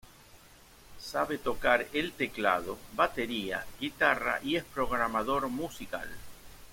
Sabe tocar el teclado, batería, guitarra y es programador musical.